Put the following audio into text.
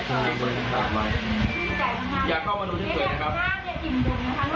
ตอนนี้ออเดอร์เท่าไหร่เราก็เรียกต้องการ